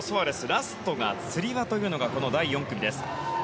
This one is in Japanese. ラストがつり輪というのはこの第４組です。